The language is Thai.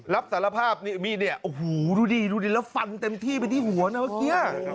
รับสารภาพนี่มีดเนี่ยโอ้โหดูดิดูดิแล้วฟันเต็มที่ไปที่หัวนะเมื่อกี้